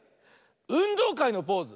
「うんどうかい」のポーズ。